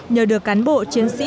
nhờ được cán bộ chiến dịch